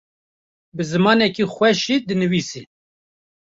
bi zimanekî xweş jî dinivîsî